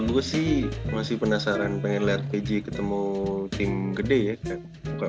gue sih masih penasaran pengen liat pg ketemu tim gede ya kan